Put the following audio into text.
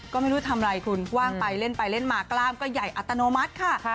ก็ไม่รู้ทำอะไรคุณว่างไปเล่นไปเล่นมากล้ามก็ใหญ่อัตโนมัติค่ะ